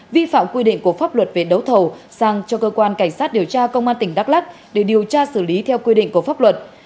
vi phạm quy định của pháp luật về đấu thầu sang cho cơ quan cảnh sát điều tra công an tỉnh đắk lắc để điều tra xử lý theo quy định của pháp luật